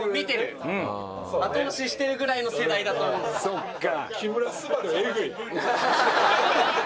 そっか。